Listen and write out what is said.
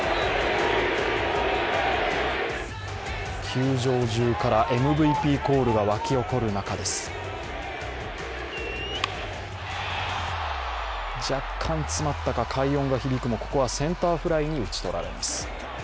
休場中からＭＶＰコールが沸き起こる中、若干詰まったか、快音が響くも、ここはセンターフライに打ち取られます。